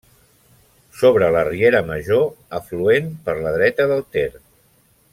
Sobre la Riera Major afluent per la dreta del Ter.